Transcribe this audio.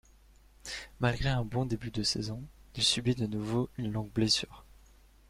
Malgré un bon début de saison, il subit de nouveau une longue blessure.